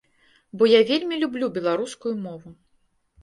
Бо я вельмі люблю беларускую мову.